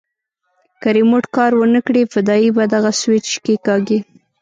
که ريموټ کار ونه کړي فدايي به دغه سوېچ کښېکاږي.